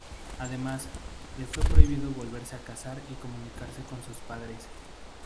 Además, le fue prohibido volverse a casar y comunicarse con sus padres.